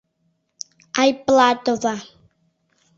Айплатова.